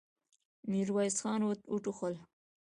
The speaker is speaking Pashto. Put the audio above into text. ميرويس خان وټوخل.